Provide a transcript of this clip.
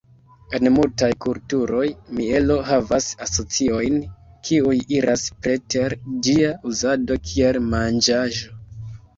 En multaj kulturoj, mielo havas asociojn kiuj iras preter ĝia uzado kiel manĝaĵo.